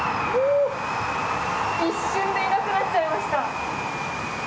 一瞬でいなくなっちゃいました！